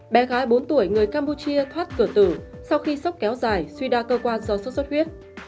bé gái bốn tuổi người campuchia thoát cửa tử sau khi sốc kéo dài suy đa cơ quan do sốt xuất huyết